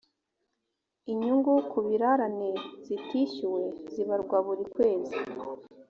inyungu ku birarane zitishyuwe zibarwa buri kwezi